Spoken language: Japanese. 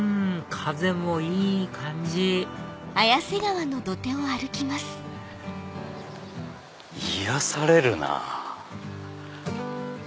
風もいい感じ癒やされるなぁ。